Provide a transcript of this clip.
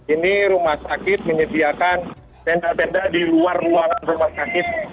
ini rumah sakit menyediakan tenda tenda di luar ruangan rumah sakit